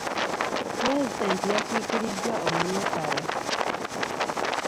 Pulezidenti yakiikiriddwa omumyuuka we.